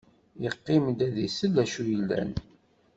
Yeqqim-d ad isel d acu yellan.